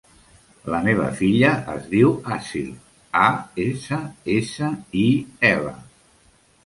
La meva filla es diu Assil: a, essa, essa, i, ela.